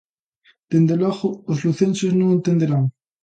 Dende logo, os lucenses non o entenderán.